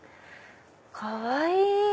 かわいい！